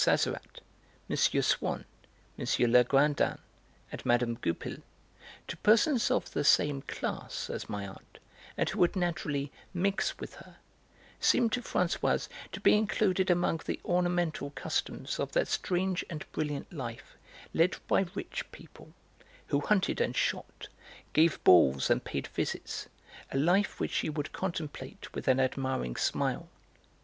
Sazerat, M. Swann, M. Legrandin and Mme. Goupil, to persons of the 'same class' as my aunt, and who would naturally 'mix with her,' seemed to Françoise to be included among the ornamental customs of that strange and brilliant life led by rich people, who hunted and shot, gave balls and paid visits, a life which she would contemplate with an admiring smile.